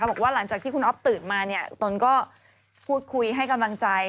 บอกว่าหลังจากที่คุณอ๊อฟตื่นมาเนี่ยตนก็พูดคุยให้กำลังใจ